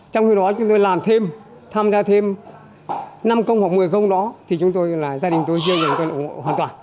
trong khi đó chúng tôi làm thêm tham gia thêm năm công hoặc một mươi công đó thì chúng tôi là gia đình tôi riêng là chúng tôi ủng hộ hoàn toàn